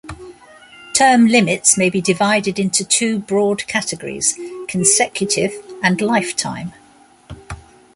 Term limits may be divided into two broad categories: consecutive and lifetime.